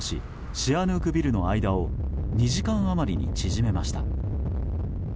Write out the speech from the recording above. シアヌークビルの間を２時間余りに縮めました。